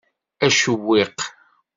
Acewwiq.